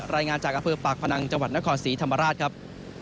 รายงานจากอำเภอปากพนังจังหวัดนครศรีธรรมราชครับ